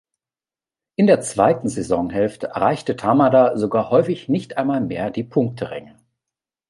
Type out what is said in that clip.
In der zweiten Saisonhälfte erreichte Tamada sogar häufig nicht einmal mehr die Punkteränge.